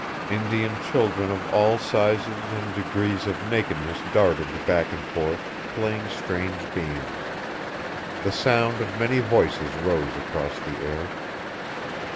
Indian children of all sizes and degrees of nakedness darted back and forth, playing strange games. The sound of many voices rose across the air.